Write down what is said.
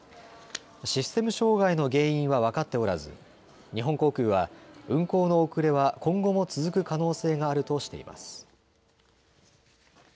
システム障害の原因は分かっておらず日本航空は運航の遅れは今後も続く可能性があるとしています。